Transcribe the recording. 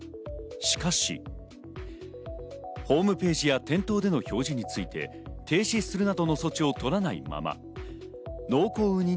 しかしホームページや店頭での表示について、停止するなどの措置を取らないまま、濃厚うに